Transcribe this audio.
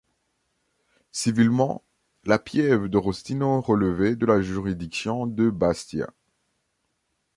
Civilement, la pieve de Rostino relevait de la juridiction de Bastia.